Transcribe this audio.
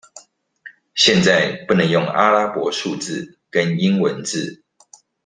現在不能用阿拉伯數字跟英文字